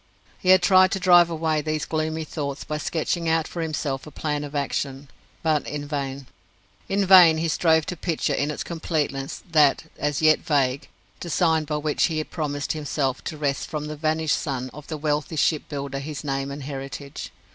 He had tried to drive away these gloomy thoughts by sketching out for himself a plan of action but in vain. In vain he strove to picture in its completeness that as yet vague design by which he promised himself to wrest from the vanished son of the wealthy ship builder his name and heritage.